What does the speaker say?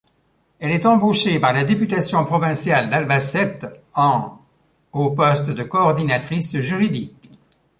Elle est embauchée par la députation provinciale d'Albacete en au poste de coordonnatrice juridique.